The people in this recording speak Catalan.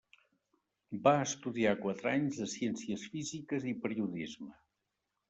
Va estudiar quatre anys de Ciències Físiques i Periodisme.